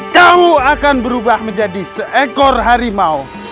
kau akan berubah menjadi seekor harimau